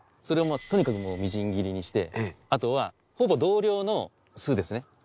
それをもうとにかくみじん切りにしてあとはほぼ同量の酢ですね。